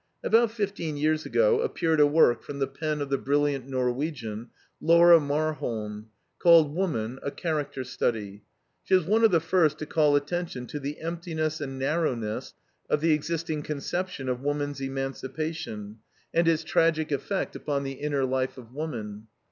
About fifteen years ago appeared a work from the pen of the brilliant Norwegian, Laura Marholm, called WOMAN, A CHARACTER STUDY. She was one of the first to call attention to the emptiness and narrowness of the existing conception of woman's emancipation, and its tragic effect upon the inner life of woman.